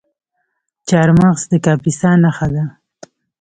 چهارمغز د کاپیسا نښه ده.